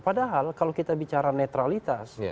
padahal kalau kita bicara netralitas